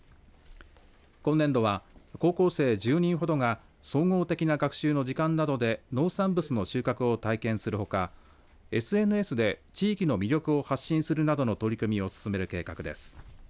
今年度は高校生１０人ほどが総合的な学習の時間などで農産物の収穫を体験するほかＳＮＳで地域の魅力を発信するなどの取り組みを進める計画です。